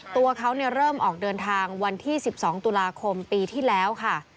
ตัวเขาเริ่มออกเดินทางวันที่๑๒ตุลาคมปีที่แล้วค่ะ